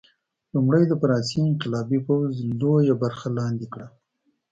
لومړی د فرانسې انقلابي پوځ لویه برخه لاندې کړه.